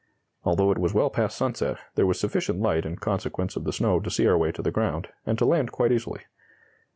Although it was well past sunset, there was sufficient light in consequence of the snow to see our way to the ground, and to land quite easily....